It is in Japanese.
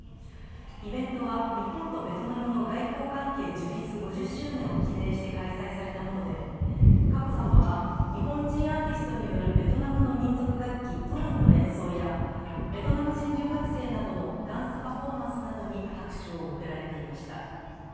イベントは、日本とベトナムの外交関係樹立５０周年を記念して開催されたもので、佳子さまは日本人アーティストによるベトナムの民族楽器、トルンの演奏やベトナム人留学生などのダンスパフォーマンスなどに拍手を送られていました。